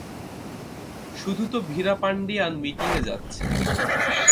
তো শুধু ভীরাপান্ডিয়ান মিটিং এ যাচ্ছে।